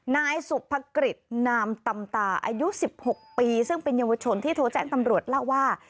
นายสุภกฤษนามตำตาอายุ๑๖ปีซึ่งเป็นเยาวชนที่โทรแจ้งตำรวจเล่าว่า